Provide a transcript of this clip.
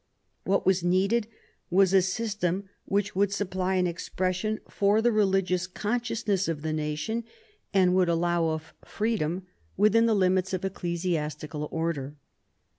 What was needed was a system which would supply an expression for the religious consciousness of the nation, and would allow of freedom within the limits of ecclesiastical order.